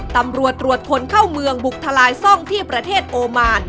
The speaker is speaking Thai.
ตำรวจตรวจคนเข้าเมืองบุกทลายซ่องที่ประเทศโอมาน